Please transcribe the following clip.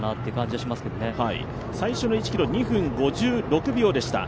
最初の１ｋｍ２分５６秒でしたね。